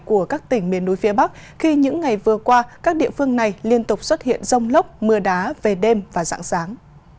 của các tỉnh miền núi phía bắc khi những ngày vừa qua các địa phương này liên tục xuất hiện rông lốc mưa đá về đêm và dạng sáng